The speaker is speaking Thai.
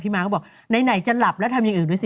มาก็บอกไหนจะหลับแล้วทำอย่างอื่นด้วยสิ